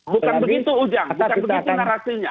bukan begitu ujang bukan begitu narasinya